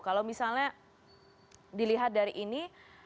kalau misalnya dilihat dari ini